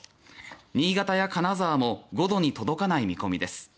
新潟や金沢も５度に届かない見込みです。